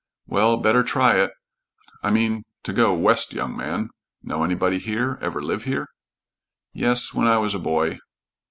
"Well, better try it. I mean to 'go west, young man.' Know anybody here? Ever live here?" "Yes, when I was a boy."